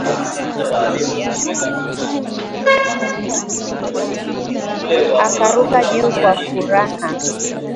akaruka juu kwa furaha